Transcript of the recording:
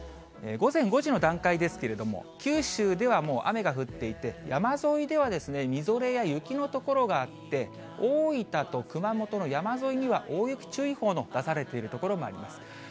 午前５時の段階ですけれども、九州ではもう雨が降っていて、山沿いではみぞれや雪の所があって、大分と熊本の山沿いには大雪注意報の出されている所もあります。